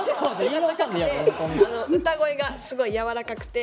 歌声がすごいやわらかくて。